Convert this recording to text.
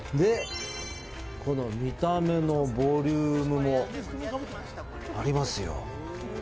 この見た目のボリュームもありますよ。